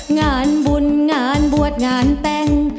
งานบุญงานบวชงานแต่ง